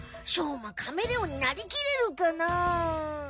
しょうまカメレオンになりきれるかな？